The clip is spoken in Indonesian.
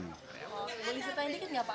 boleh ceritain dikit nggak pak